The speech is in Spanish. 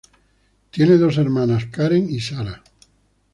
Tiene dos hermanas, Karen y Sarah.